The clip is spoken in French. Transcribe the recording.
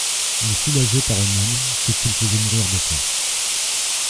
Ils soulageaient par aumône ceux qu'ils faisaient mourir de faim.